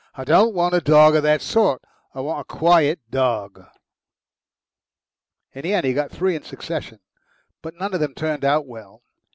I don't want a dog of that sort. I want a quiet dog." In the end he got three in succession, but none of them turned out well.